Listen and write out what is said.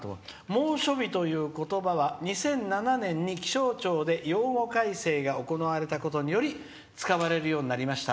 「猛暑日という言葉は２００７年に気象庁で用語改正が行われたことにより使われるようになりました。